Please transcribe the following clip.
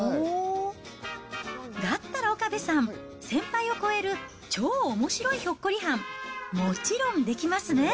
だったら岡部さん、先輩を超える超おもしろいひょっこりはん、もちろんできますね。